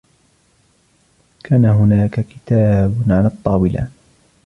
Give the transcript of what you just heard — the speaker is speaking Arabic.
كان هناك كتاب على الطاولة ؟